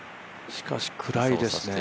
しかし暗いですね。